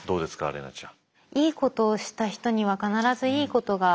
怜奈ちゃん。